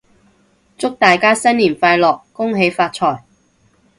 祝大家新年快樂！恭喜發財！